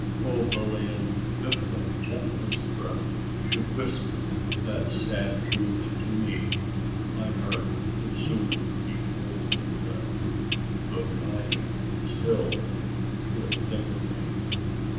O Lilian! if thy gentlest breath Should whisper that sad truth to me, My heart would soon be cold in death Though dying, still 'twould think of thee!"